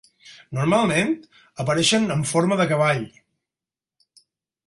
Normalment, apareixen en forma de cavall.